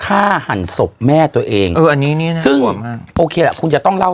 ฆ่าหั่นศพแม่ตัวเองซึ่งโอเคละคุณจะต้องเล่า